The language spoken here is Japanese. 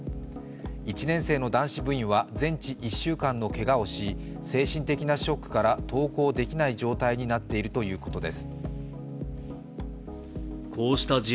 １年生の男子部員は全治１週間のけがをし、精神的なショックから登校できない状態になっているということです。